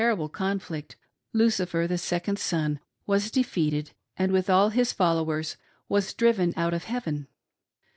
299 rible conflict, Lucifer, the second son was defeated, and, with all his followers, was driven out of heaven.